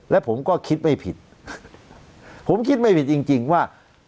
และผมก็คิดไม่ผิดผมคิดไม่ผิดจริงจริงว่า